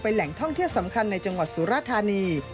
แหล่งท่องเที่ยวสำคัญในจังหวัดสุราธานี